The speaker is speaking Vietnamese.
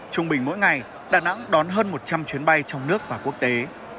trung bình mỗi ngày đà nẵng đón hơn một trăm linh chuyến bay trong nước và quốc tế